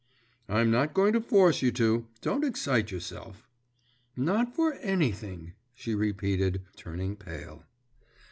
'I'm not going to force you to; don't excite yourself.' 'Not for anything!' she repeated, turning pale.